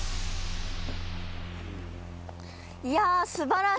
いや。